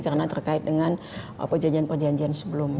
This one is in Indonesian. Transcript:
karena terkait dengan perjanjian perjanjian sebelumnya